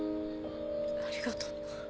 ありがとう。